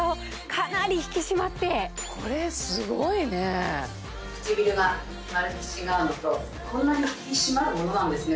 かなり引き締まってこれすごいね唇がまるで違うのとこんなに引き締まるものなんですね